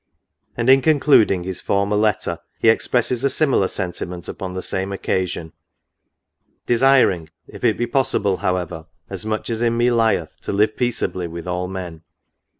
And in concluding his former letter, he expresses a similar sentiment upon the same oc casion, " desiring, if it be possible, however, as much as in me lieth, to live peaceably with all men.